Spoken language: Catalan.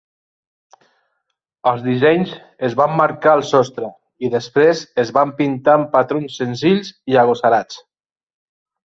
Els dissenys es van marcar al sostre i després es van pintar amb patrons senzills i agosarats.